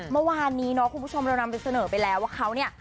เมื่อวานนี้เนาะคุณผู้ชมเรานำไปเสนอไปแล้วว่าเขาเนี่ย